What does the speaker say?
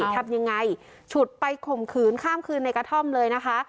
ทำยังไงฉุดไปข่มขืนข้ามคืนในกระท่อมเลยนะคะ